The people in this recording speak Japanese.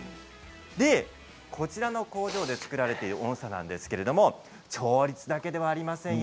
こちらの工場で作られている音さなんですけども調律だけではありませんよ。